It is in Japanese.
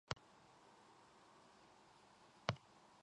探索を再開して二日ほど経ったとき、君から提案があった。「林に行ってみない？」